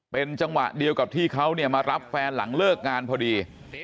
เป็นจังหวะเดียวกับที่เขาเนี่ยมารับแฟนหลังเลิกงานพอดี